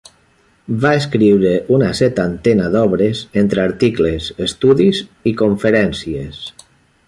Va escriure una setantena d'obres, entre articles, estudis i conferències.